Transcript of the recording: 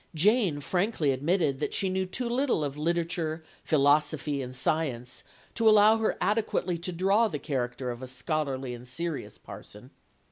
Jane frankly admitted that she knew too little of literature, philosophy, and science, to allow her adequately to draw the character of a scholarly and serious parson.